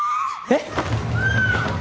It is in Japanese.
えっ！？